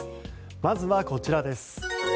まずはこちらです。